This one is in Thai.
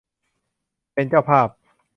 เป็นเจ้าภาพ